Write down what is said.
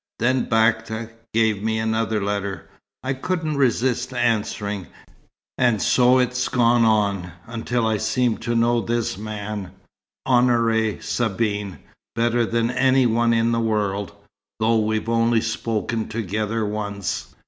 Then Bakta gave me another letter. I couldn't resist answering, and so it's gone on, until I seem to know this man, Honoré Sabine, better than any one in the world; though we've only spoken together once."